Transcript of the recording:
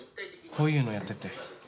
こういうのやってて。